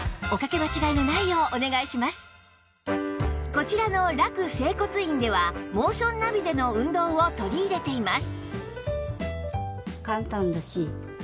こちらの楽整骨院ではモーションナビでの運動を取り入れています